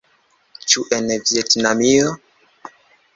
Ĉu en Vjetnamio?